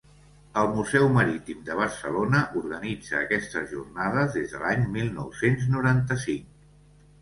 El Museu Marítim de Barcelona organitza aquestes jornades des de l'any mil nou-cents noranta-cinc.